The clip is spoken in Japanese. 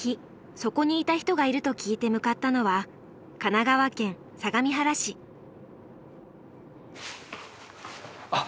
そこにいた人がいると聞いて向かったのはあっ！